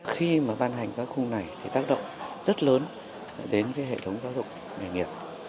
khi mà ban hành các khung này thì tác động rất lớn đến hệ thống giáo dục nghề nghiệp